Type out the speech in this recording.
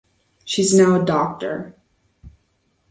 She is now a doctor.